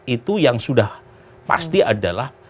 itu yang sudah pasti adalah